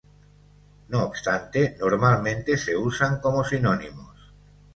No obstante, normalmente se usan como sinónimos.